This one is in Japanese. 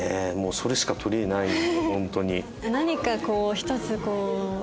それしか取りえないホントに。